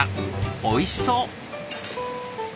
おいしそう！